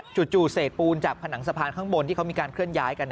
จู่เศษปูนจากผนังสะพานข้างบนที่เขามีการเคลื่อนย้ายกัน